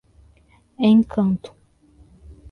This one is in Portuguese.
Encanto